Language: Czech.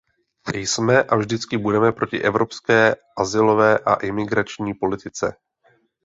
Jsme a vždycky budeme proti evropské azylové a imigrační politice.